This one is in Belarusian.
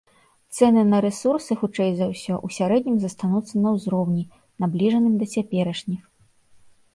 Цэны на рэсурсы, хутчэй за ўсё, у сярэднім застануцца на ўзроўні, набліжаным да цяперашніх.